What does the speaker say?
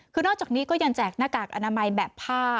คือนอกจากนี้ก็ยังแจกหน้ากากอนามัยแบบผ้า